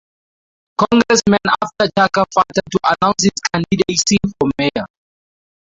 Congressman after Chaka Fattah to announce his candidacy for mayor.